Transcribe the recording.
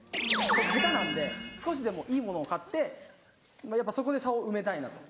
僕下手なんで少しでもいいものを買ってやっぱそこで差を埋めたいなと。